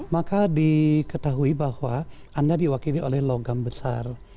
maka diketahui bahwa anda diwakili oleh logam besar